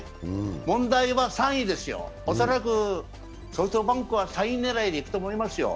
問題は３位ですよ、恐らくソフトバンクは３位狙いでいくと思いますよ。